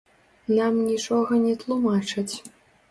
Нам нічога не тлумачаць.